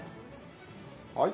はい。